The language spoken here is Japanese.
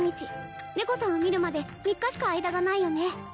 猫さんを見るまで３日しか間がないよね？